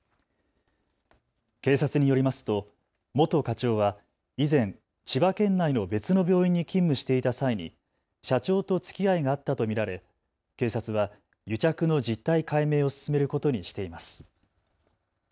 警察によりますと元課長は以前、千葉県内の別の病院に勤務していた際に社長とつきあいがあったと見られ警察は癒着の実態解明を進めることにしています。